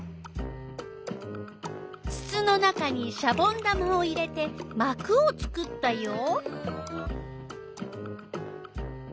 つつの中にシャボン玉を入れてまくを作ったよ。